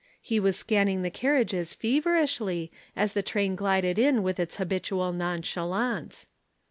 He was scanning the carriages feverishly, as the train glided in with its habitual nonchalance.